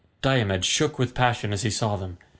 Diomed shook with passion as he saw them.